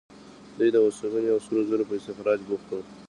دوی د اوسپنې او سرو زرو په استخراج بوخت وو.